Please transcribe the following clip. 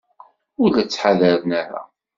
Ur la ttḥadaren ara.